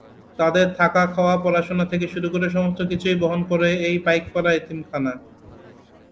তাদের থাকা-খাওয়া-পড়াশোনা থেকে শুরু করে সমস্ত কিছুই বহন করে এই পাইকপাড়া এতিমখানা।